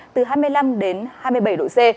từ hai mươi năm đến hai mươi bảy độ c